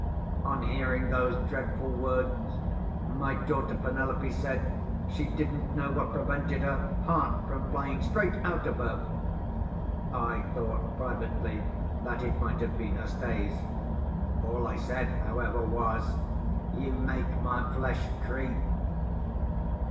On hearing those dreadful words, my daughter Penelope said she didn't know what prevented her heart from flying straight out of her. I thought privately that it might have been her stays. All I said, however, was, "You make my flesh creep."